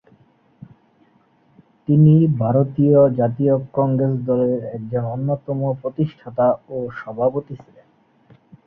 তিনি ভারতীয় জাতীয় কংগ্রেস দলের একজন অন্যতম প্রতিষ্ঠাতা ও সভাপতি ছিলেন।